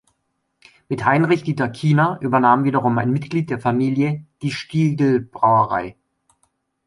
Mit Heinrich Dieter Kiener übernahm wiederum ein Mitglied der Familie die Stieglbrauerei.